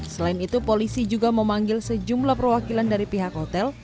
selain itu polisi juga memanggil sejumlah perwakilan dari pihak hotel